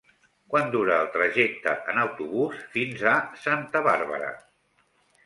Quant dura el trajecte en autobús fins a Santa Bàrbara?